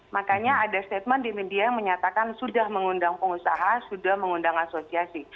makanya ada statement di media yang menyatakan sudah mengundang pengusaha sudah mengundang asosiasi